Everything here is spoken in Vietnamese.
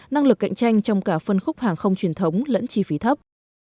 năng lực cạnh tranh trong cả phân khúc hàng không truyền thống lẫn chi phí thấp